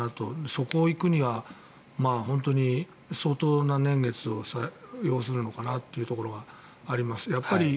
そこに行くには相当な年月を要するのかなというところがあります。